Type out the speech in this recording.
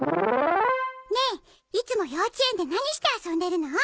ねえいつも幼稚園で何して遊んでるの？